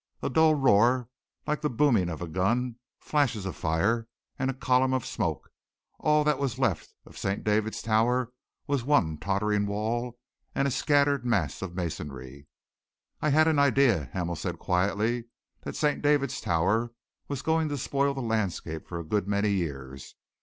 A dull roar, like the booming of a gun, flashes of fire, and a column of smoke and all that was left of St. David's Tower was one tottering wall and a scattered mass of masonry. "I had an idea," Hamel said quietly, "that St. David's Tower was going to spoil the landscape for a good many years.